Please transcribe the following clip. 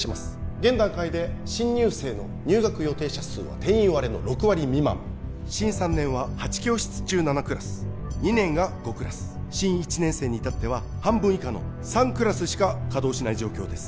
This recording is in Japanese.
現段階で新入生の入学予定者数は定員割れの６割未満新３年は８教室中７クラス２年が５クラス新１年生にいたっては半分以下の３クラスしか稼働しない状況です